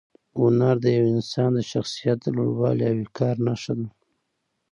هنر د یو انسان د شخصیت د لوړوالي او وقار نښه ده.